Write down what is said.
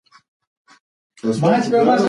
شاعر د خپلو موضوعاتو انتخاب کوي.